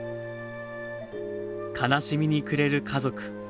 悲しみにくれる家族。